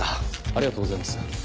ありがとうございます。